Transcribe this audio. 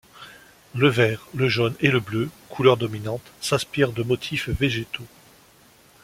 Le vert, le jaune et le bleu, couleurs dominantes, s’inspirent de motifs végétaux.